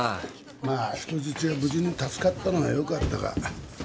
まあ人質が無事に助かったのはよかったが。